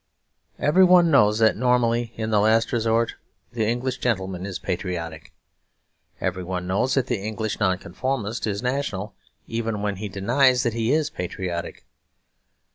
Every one knows that normally, in the last resort, the English gentleman is patriotic. Every one knows that the English Nonconformist is national even when he denies that he is patriotic.